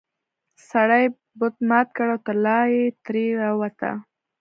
سړي بت مات کړ او طلا ترې راووته.